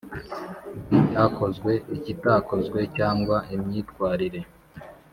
bw’icyakozwe, ikitakozwe cyangwa imyitwarire,